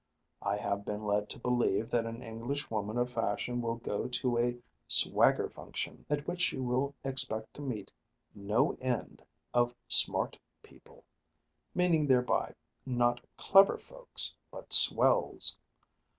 I have been led to believe that an Englishwoman of fashion will go to a swagger function, at which she will expect to meet no end of smart people, meaning thereby not clever folks, but swells.